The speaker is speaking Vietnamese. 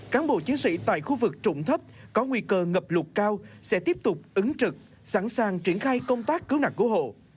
cán bộ chiến sĩ tại khu vực trụng thấp có nguy cơ ngập lụt cao sẽ tiếp tục ứng trực sẵn sàng triển khai công tác cứu nạn cứu hộ